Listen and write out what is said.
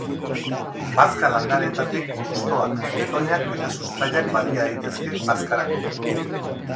Bazka-landareetatik hostoak, zurtoinak eta sustraiak balia daitezke bazkarako.